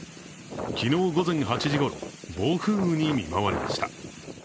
昨日、午前８時ごろ、暴風雨に見舞われました。